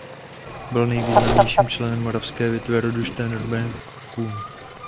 Byl nejvýznamnějším členem moravské větve rodu Šternberků.